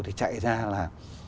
thì chạy ra là